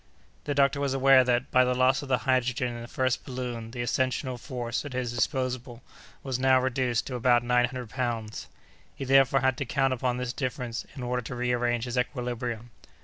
The doctor was aware that, by the loss of the hydrogen in the first balloon, the ascensional force at his disposal was now reduced to about nine hundred pounds. He therefore had to count upon this difference in order to rearrange his equilibrium.